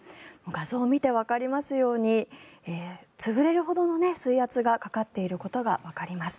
画像を見てわかりますように潰れるほどの水圧がかかっていることがわかります。